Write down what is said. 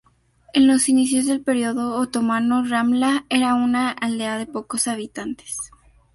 En los inicios del período otomano, Ramla era una aldea de pocos habitantes.